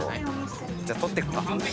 じゃあ撮っていくか。